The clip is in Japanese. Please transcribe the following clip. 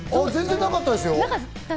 なかったですよ！